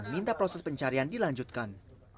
tetap meminta proses pencarian dilanjutkan